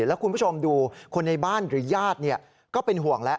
แล้วคุณผู้ชมดูคนในบ้านหรือญาติก็เป็นห่วงแล้ว